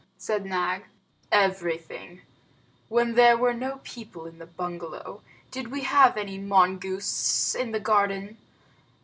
said Nag. "Everything. When there were no people in the bungalow, did we have any mongoose in the garden?